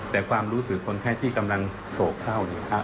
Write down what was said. แต่ความรู้สึกคนไข้ที่กำลังโศกเศร้าเนี่ย